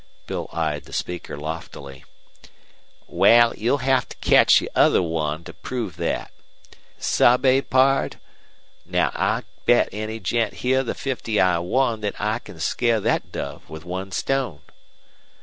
Bill eyed the speaker loftily. "Wal, you'll have to ketch the other one to prove thet. Sabe, pard? Now I'll bet any gent heah the fifty I won thet I can scare thet dove with one stone."